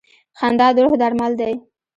• خندا د روح درمل دی.